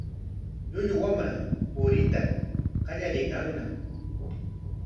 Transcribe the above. Llullu wamra puriyta qallariykanñam.